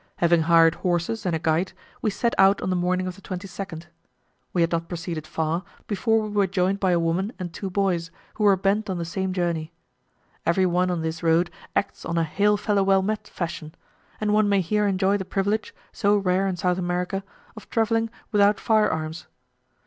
Having hired horses and a guide, we set out on the morning of the 22nd. We had not proceeded far, before we were joined by a woman and two boys, who were bent on the same journey. Every one on this road acts on a "hail fellow well met" fashion; and one may here enjoy the privilege, so rare in South America, of travelling without fire arms.